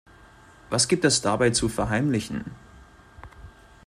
Was gibt es dabei zu verheimlichen?